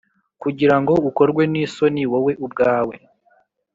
kugira ngo ukorwe n’isoni wowe ubwawe